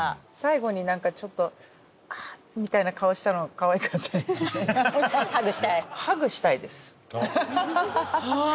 最後になんかちょっとあっみたいな顔したのがかわいかったですね。